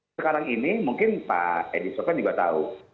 sekarang ini mungkin pak edi sofyan juga tahu